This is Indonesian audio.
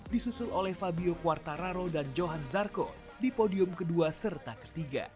disusul oleh fabio quartararo dan johan zarco di podium ke dua serta ke tiga